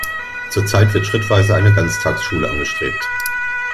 Zurzeit wird schrittweise eine Ganztagsschule angestrebt.